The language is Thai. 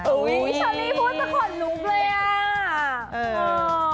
อุ้ยชัลลี่พูดสะขอนลุกเลยอ่ะ